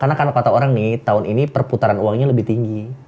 karena kalau kata orang nih tahun ini perputaran uangnya lebih tinggi